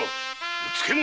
うつけ者！